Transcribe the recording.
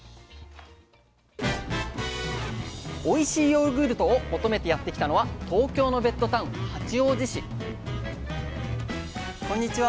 おいしいヨーグルトを求めてやって来たのは東京のベッドタウン八王子市こんにちは。